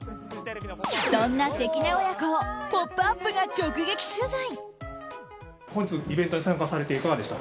そんな関根親子を「ポップＵＰ！」が直撃取材。